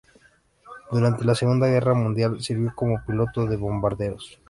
Durante la Segunda Guerra Mundial sirvió como piloto de bombarderos.